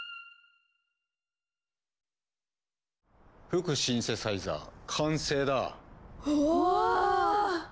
吹くシンセサイザー完成だ。わ！